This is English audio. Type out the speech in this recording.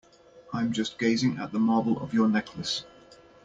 I'm just gazing at the marble of your necklace.